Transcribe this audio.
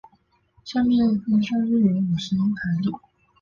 下面依照日语五十音排列。